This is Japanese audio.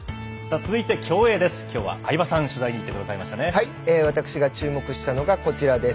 続いて競泳です。